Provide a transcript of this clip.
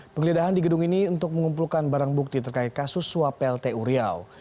penggeledahan di gedung ini untuk mengumpulkan barang bukti terkait kasus swapel t uriau